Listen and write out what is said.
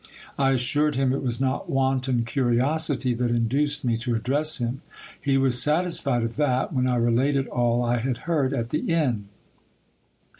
I assured him it was not wanton curiosity that induced me to address him. He was satisfied of that when I related all I had heard at the inn.